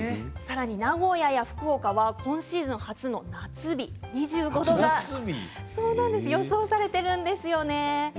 さらに名古屋や福岡は今シーズン初の夏日、２５度が予想されているんですよね。